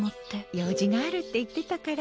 用事があるって言ってたから。